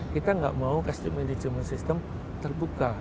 kita nggak mau casting management system terbuka